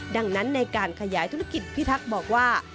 ดังนั้นในการขยายธุรกิจพิทักษ์บอกว่า